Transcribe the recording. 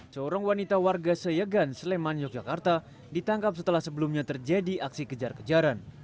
seorang wanita warga seyegan sleman yogyakarta ditangkap setelah sebelumnya terjadi aksi kejar kejaran